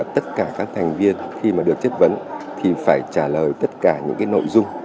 tất cả các thành viên khi mà được chất vấn thì phải trả lời tất cả những nội dung